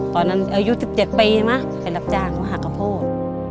ตอนนั้นอายุ๑๗ปีไปรับจ้างของหักกะโพด